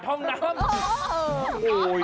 แขนแม่เบี้ยอยู่เลย